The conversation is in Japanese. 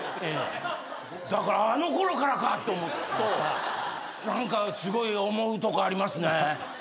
だからあのころからかって思うと何かすごい思うとこありますね。